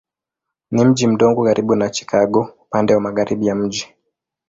Ni mji mdogo karibu na Chicago upande wa magharibi ya mji.